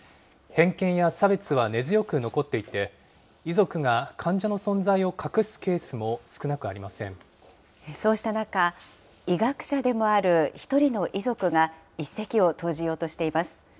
偏見や差別は根強く残っていて、遺族が患者の存在を隠すケースもそうした中、医学者でもある１人の遺族が一石を投じようとしています。